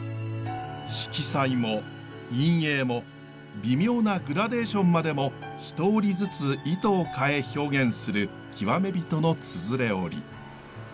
色彩も陰影も微妙なグラデーションまでも一織りずつ糸を変え表現する極め人の綴織。